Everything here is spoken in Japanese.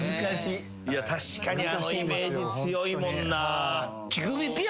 確かにあのイメージ強いもんなぁ。